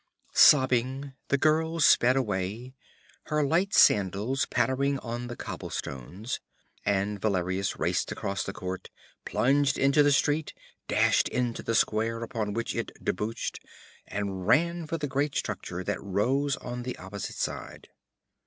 Sobbing, the girl sped away, her light sandals pattering on the cobblestones, and Valerius raced across the court, plunged into the street, dashed into the square upon which it debouched, and raced for the great structure that rose on the opposite side.